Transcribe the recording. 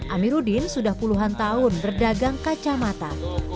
amiruddin sudah puluhan tahun berdagang kacamata